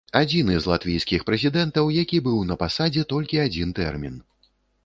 Адзіны з латвійскіх прэзідэнтаў, які быў на пасадзе толькі адзін тэрмін.